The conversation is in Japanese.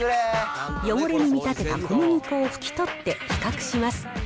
汚れに見立てた小麦粉を拭きとって比較します。